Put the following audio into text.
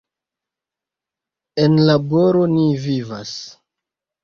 En laboro ni vivas.